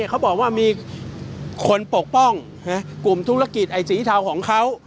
เขาบอกว่ามีคนปกป้องกลุ่มธุรกิจไอ้สีเทาของเขา